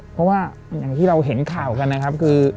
เพราะว่าอย่างที่เราเห็นข่าวกันนะครับคือ